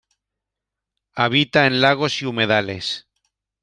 Habita en lagos y humedales.